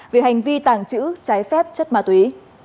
về hành vi tàng trữ trái phép chất ma túy